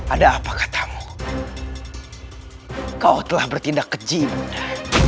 ada apa katamu kau telah bertindak keji ibu nda